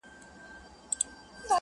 میکده په نامه نسته، هم حرم هم محرم دی.